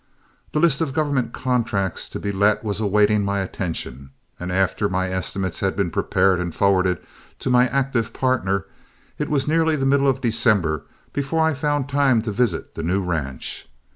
The list of government contracts to be let was awaiting my attention, and after my estimates had been prepared, and forwarded to my active partner, it was nearly the middle of December before I found time to visit the new ranch.